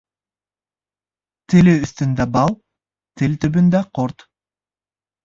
Теле өҫтөндә бал, тел төбөндә ҡорт.